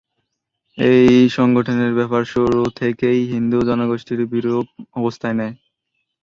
এ সংগঠনের ব্যাপারে শুরু থেকেই হিন্দু জনগোষ্ঠী বিরূপ অবস্থান নেয়।